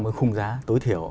mới khung giá tối thiểu